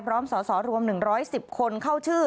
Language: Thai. พร้อมสสรวม๑๑๐คนเข้าชื่อ